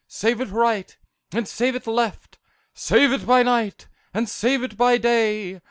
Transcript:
+ Save it right! + and save it left! + Save it by night! + and save it by day!